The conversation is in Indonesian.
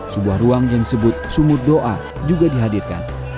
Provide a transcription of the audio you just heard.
sebuah ruang yang disebut sumur doa juga dihadirkan